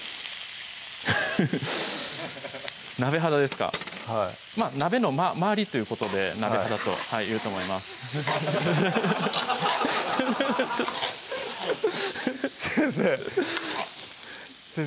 フフフッ鍋肌ですかはい鍋の周りということで鍋肌というと思います先生先生